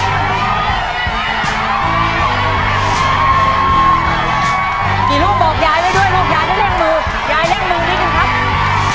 กี่ลูกบอกยายไว้ด้วยลูกยายได้เร่งมือยายเล่นมือด้วยกันครับ